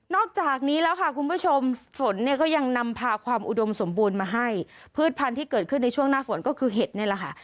จากนี้แล้วค่ะคุณผู้ชมฝนเนี่ยก็ยังนำพาความอุดมสมบูรณ์มาให้พืชพันธุ์ที่เกิดขึ้นในช่วงหน้าฝนก็คือเห็ดนี่แหละค่ะ